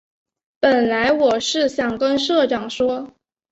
本来我是想跟社长说